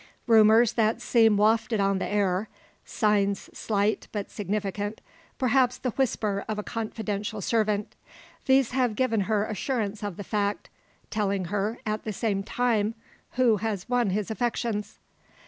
Rumours that seem wafted on the air signs slight, but significant perhaps the whisper of a confidential servant these have given her assurance of the fact: telling her, at the same time, who has won his affections.